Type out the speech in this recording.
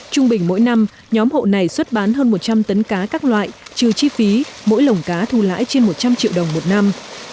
trung bình mỗi năm nhóm hộ này xuất bán hơn một trăm linh tấn cá các loại trừ chi phí mỗi lồng cá thu lãi trên một trăm linh triệu đồng một năm